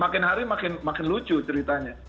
makin hari makin lucu ceritanya